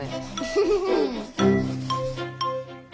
フフフフ。